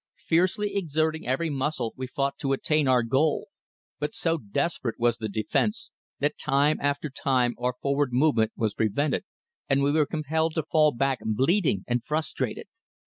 Fiercely exerting every muscle we fought to attain our goal, but so desperate was the defence, that time after time our forward movement was prevented, and we were compelled to fall back bleeding and frustrated.